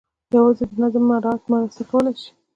یوازې د نظم مراعات مرسته کولای شي.